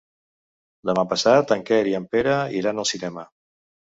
Demà passat en Quer i en Pere iran al cinema.